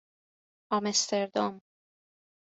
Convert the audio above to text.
آمستردام